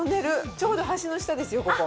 ちょうど橋の下ですよ、ここ。